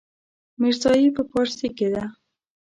ميرزايي په پارسي کې ده.